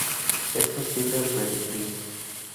Esto es el libre albedrío.